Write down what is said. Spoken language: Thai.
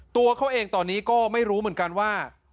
ตัวเขาเองตอนนี้ก็ไม่รู้เหมือนกันว่า